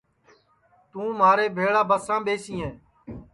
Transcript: توں مھارے بھیݪا بسام ٻیسیں